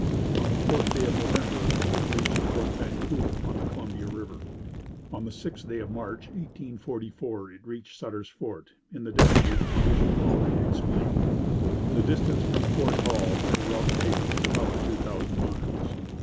On the fourth day of November it reached Fort Vancouver, on the Columbia River. On the sixth day of March, 1844, it reached Sutter's Fort in the destitute condition already explained. The distance from Fort Hall by the route taken is about two thousand miles.